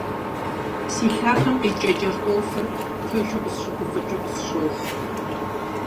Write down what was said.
Си лъахэм къикӏа кӏэртӏофыр, пэжу, къысщыгуфӏыкӏыу къысщохъу.